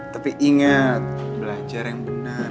tapi ingat belajar yang benar